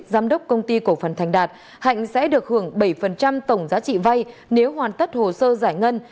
giám đốc công ty cổ phần thành đạt hạnh sẽ được hưởng bảy tổng giá trị vay nếu hoàn tất hồ sơ giải ngân